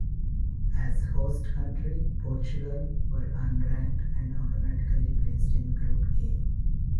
As host country, Portugal were unranked and automatically placed in Group A.